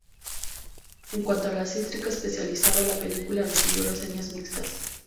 En cuanto a la crítica especializada, la película recibió reseñas mixtas.